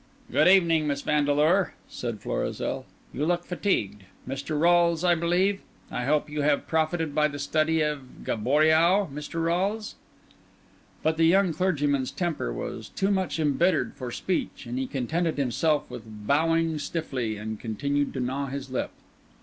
"Good evening, Miss Vandeleur," said Florizel; "you look fatigued. Mr. Rolles, I believe? I hope you have profited by the study of Gaboriau, Mr. Rolles." But the young clergyman's temper was too much embittered for speech; and he contented himself with bowing stiffly, and continued to gnaw his lip.